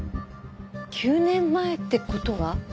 ９年前って事は？